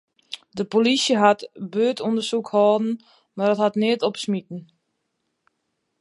De polysje hat in buertûndersyk hâlden, mar dat hat neat opsmiten.